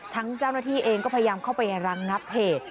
เจ้าหน้าที่เองก็พยายามเข้าไปรังงับเหตุ